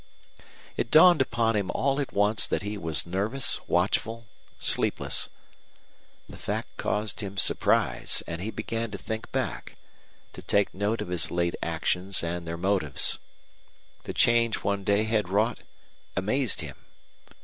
It dawned upon him all at once that he was nervous, watchful, sleepless. The fact caused him surprise, and he began to think back, to take note of his late actions and their motives. The change one day had wrought amazed him.